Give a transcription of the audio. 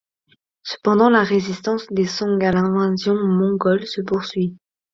Cependant la résistance des Song à l'invasion mongole se poursuit.